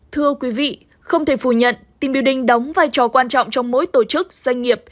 thưa quý vị không thể phủ nhận team building đóng vai trò quan trọng trong mỗi tổ chức doanh nghiệp